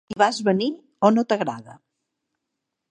Hi vas venir o no t'agrada?